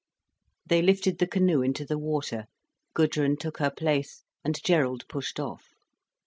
They lifted the canoe into the water, Gudrun took her place, and Gerald pushed off.